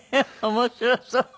面白そう。